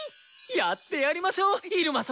やってやりましょう入間様！